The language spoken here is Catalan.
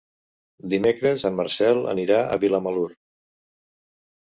Dimecres en Marcel anirà a Vilamalur.